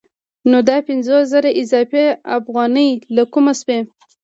نو دا پنځوس زره اضافي افغانۍ له کومه شوې